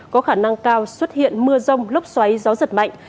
có khả năng cao xuất hiện mưa rông lốc xoáy gió giật mạnh